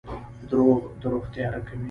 • دروغ د روح تیاره کوي.